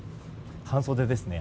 半袖ですね。